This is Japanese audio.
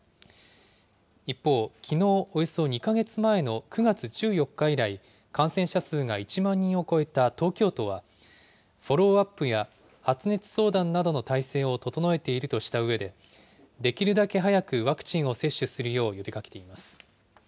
一方、きのう、およそ２か月前の９月１４日以来、感染者数が１万人を超えた東京都は、フォローアップや発熱相談などの体制を整えているとしたうえで、できるだけ早くワクチンを接種するよう呼びかけています。